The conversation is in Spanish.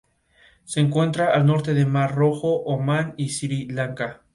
Se encuentra al norte del Mar Rojo, Omán y Sri Lanka.